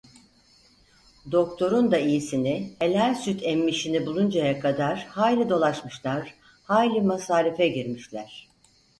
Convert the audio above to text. Doktorun da iyisini, helal süt emmişini buluncaya kadar hayli dolaşmışlar, hayli masarife girmişler.